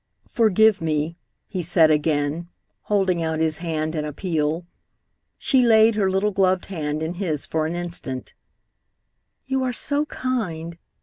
"Forgive me," he said again, holding out his hand in appeal. She laid her little gloved hand in his for an instant. "You are so kind!"